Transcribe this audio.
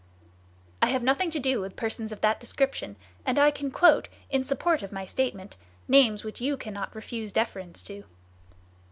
"I have nothing to do with persons of that description, and I can quote, in support of my statement, names which you cannot refuse deference to."